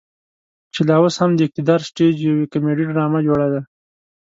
چې لا اوس هم د اقتدار سټيج يوه کميډي ډرامه جوړه ده.